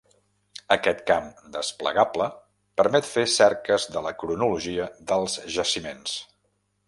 Aquest camp desplegable permet fer cerques de la cronologia dels jaciments.